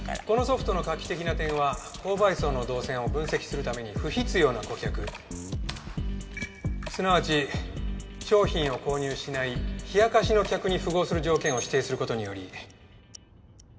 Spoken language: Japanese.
このソフトの画期的な点は購買層の動線を分析するために不必要な顧客すなわち商品を購入しない冷やかしの客に符合する条件を指定する事により。